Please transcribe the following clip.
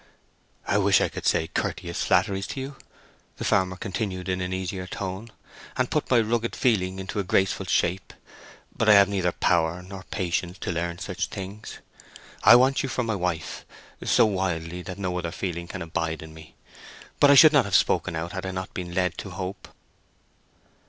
"I wish I could say courteous flatteries to you," the farmer continued in an easier tone, "and put my rugged feeling into a graceful shape: but I have neither power nor patience to learn such things. I want you for my wife—so wildly that no other feeling can abide in me; but I should not have spoken out had I not been led to hope."